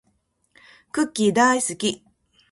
クッキーだーいすき